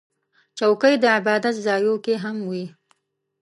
چوکۍ د عبادت ځایونو کې هم وي.